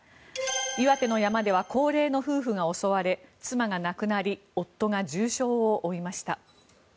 岩手の山では高齢の夫婦が襲われ妻が亡くなり夫が重傷を負いました。